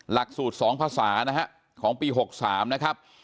หลักสูตร๒ภาษานะฮะของปี๖๓นะครับ